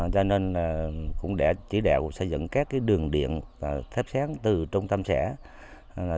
cho nên cũng đã chỉ đạo xây dựng các đường điện thép sáng từ trung tâm xã